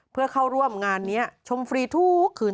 เพื่อเข้าร่วมงานนี้ชมฟรีทุกคืน